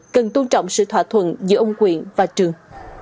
cần tôn trọng sự thỏa thuận giữa ông quyện và trường